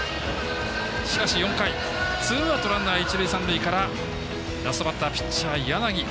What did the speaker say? しかし４回、ツーアウトランナー、一塁三塁からラストバッター、ピッチャー、柳。